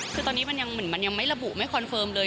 คือตอนนี้มันยังเหมือนมันยังไม่ระบุไม่คอนเฟิร์มเลย